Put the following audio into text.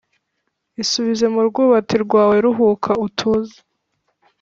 Isubize mu rwubati rwawe ruhuka utuze